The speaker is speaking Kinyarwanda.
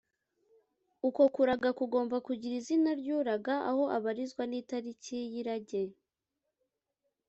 uko kuraga kugomba kugira izina ry’uraga aho abarizwa n’itariki y’irage